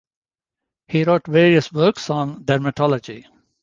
He wrote various works on dermatology.